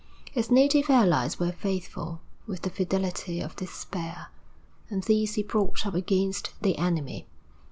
His native allies were faithful, with the fidelity of despair, and these he brought up against the enemy.